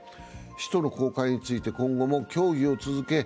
使途の公開について今後も協議を続け